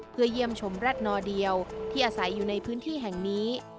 เพื่อเยี่ยมชมรัฐนอเดียวที่อาศัยอยู่ในพื้นที่แห่งนี้